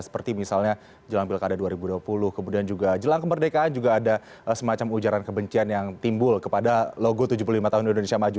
seperti misalnya jelang pilkada dua ribu dua puluh kemudian juga jelang kemerdekaan juga ada semacam ujaran kebencian yang timbul kepada logo tujuh puluh lima tahun indonesia maju